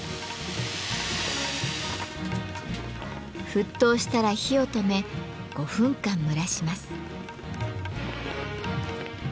沸騰したら火を止め５分間蒸らします。